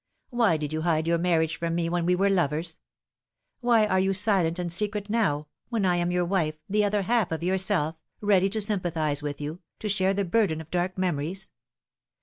Why did you hide your marriage from me when we were lovers ? Why are you silent and secret now, when I am your wife, the other half of yourself, ready to sympathise with you, to share the burden of dark memories